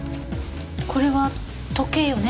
これは時計よね。